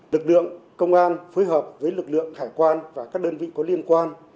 lực lượng công an phối hợp với lực lượng hải quan và các đơn vị có liên quan